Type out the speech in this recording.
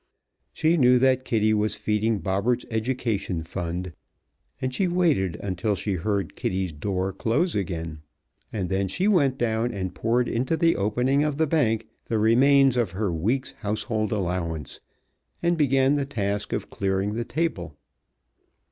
She knew that Kitty was feeding Bobberts' education fund, and she waited until she heard Kitty's door close again, and then she went down and poured into the opening of the bank the remains of her week's household allowance, and began the task of clearing the table.